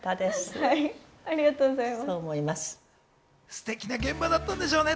すてきな現場だったんでしょうね。